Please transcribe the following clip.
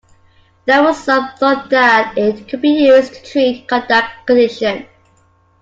There was some thought that it could be used to treat cardiac conditions.